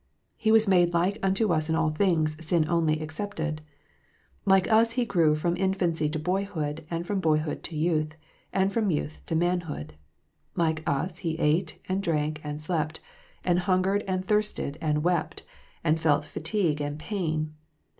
He was made like unto us in all things, sin only excepted. Like us He grew from infancy to boyhood, and from boyhood to youth, and from youth to manhood. Like us He ate, and drank, and slept, and hungered, and thirsted, and wept, and felt fatigue and pain.